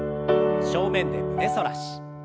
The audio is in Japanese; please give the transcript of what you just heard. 正面で胸反らし。